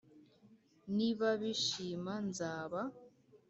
nibabishima nzaba